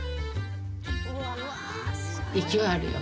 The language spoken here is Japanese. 勢いあるよ。